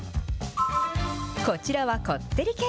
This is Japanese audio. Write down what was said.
こちらはこってり系。